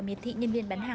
mắt chị nhìn thấy thế